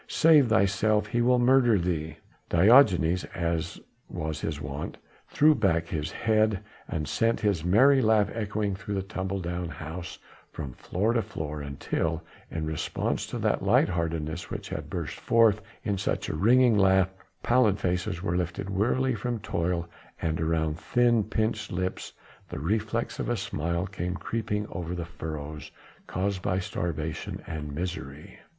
"Save thyself! he will murder thee!" Diogenes, as was his wont, threw back his head and sent his merry laugh echoing through the tumble down house from floor to floor, until, in response to that light heartedness which had burst forth in such a ringing laugh, pallid faces were lifted wearily from toil, and around thin, pinched lips the reflex of a smile came creeping over the furrows caused by starvation and misery.